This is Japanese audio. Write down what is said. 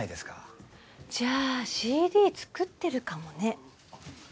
じゃあＣＤ作ってるかもね。